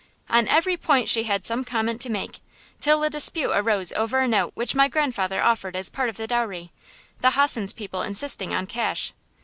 On every point she had some comment to make, till a dispute arose over a note which my grandfather offered as part of the dowry, the hossen's people insisting on cash.